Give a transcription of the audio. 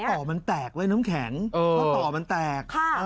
พอต่อมันแตกเลยน้ำแข็งพอต่อมันแตก